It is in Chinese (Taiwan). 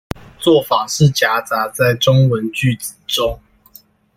做法是夾雜在中文句子中